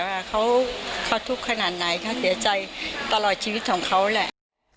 ว่าเขาทุกข์ขนาดไหนเขาเสียใจตลอดชีวิตของเขาแหละ